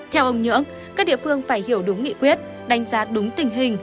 theo ông nhưỡng các địa phương phải hiểu đúng nghị quyết đánh giá đúng tình hình